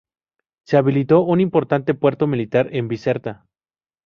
Se habilitó un importante puerto militar en Bizerta.